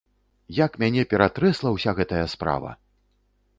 Як мяне ператрэсла ўся гэтая справа!